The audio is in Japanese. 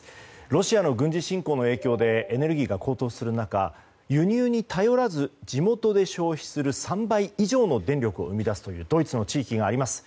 ロシアの軍事侵攻の影響でエネルギーが高騰する中輸入に頼らず地元で消費する３倍以上の電力を生み出すというドイツの地域があります。